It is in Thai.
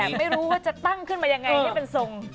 แต่ไม่รู้ว่าจะตั้งขึ้นมายังไงให้เป็นทรง